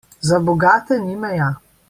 Za bogate ni meja.